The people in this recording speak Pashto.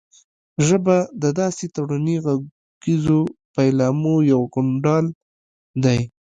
ژبه د داسې تړوني غږیزو پيلامو یو غونډال دی